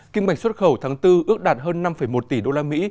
kim ngạch xuất khẩu tháng bốn ước đạt hơn năm một tỷ usd